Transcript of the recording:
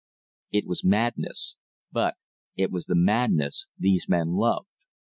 It was madness; but it was the madness these men loved.